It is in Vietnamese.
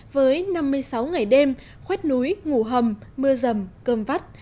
với năm mươi sáu ngày đêm khuét núi ngủ hầm mưa rầm cơm vắt